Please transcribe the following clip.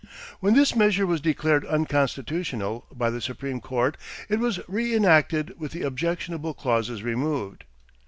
When this measure was declared unconstitutional by the Supreme Court it was reënacted with the objectionable clauses removed.